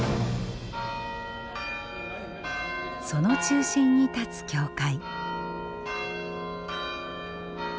その中心に立つ教会。